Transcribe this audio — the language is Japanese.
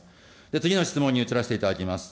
次の質問に移らせていただきます。